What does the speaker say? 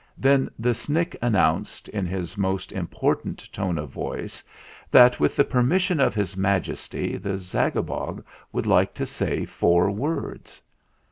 Then the Snick announced, in his most important tone of voice that, with the per mission of his Majesty, the Zagabog would like to say four words.